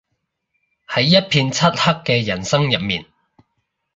喺一片漆黑嘅人生入面